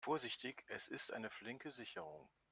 Vorsichtig, es ist eine flinke Sicherung.